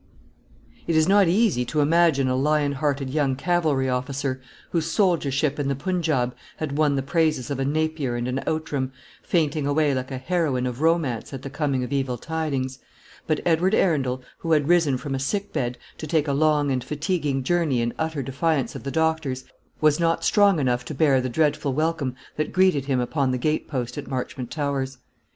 It is not easy to imagine a lion hearted young cavalry officer, whose soldiership in the Punjaub had won the praises of a Napier and an Outram, fainting away like a heroine of romance at the coming of evil tidings; but Edward Arundel, who had risen from a sick bed to take a long and fatiguing journey in utter defiance of the doctors, was not strong enough to bear the dreadful welcome that greeted him upon the gate post at Marchmont Towers.